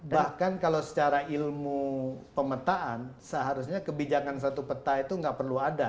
bahkan kalau secara ilmu pemetaan seharusnya kebijakan satu peta itu nggak perlu ada